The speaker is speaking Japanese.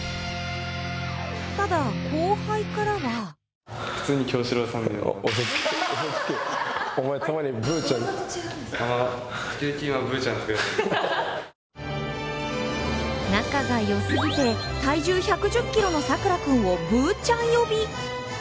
ただ、後輩からは仲がよすぎて体重１１０キロの佐倉くんを「ぶーちゃん」呼び。